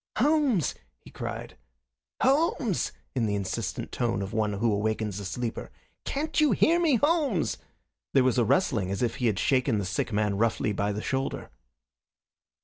"Holmes!" he cried. "Holmes!" in the insistent tone of one who awakens a sleeper. "Can't you hear me, Holmes?" There was a rustling, as if he had shaken the sick man roughly by the shoulder.